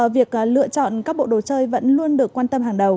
việc lựa chọn các bộ đồ chơi vẫn luôn được quan tâm hàng đầu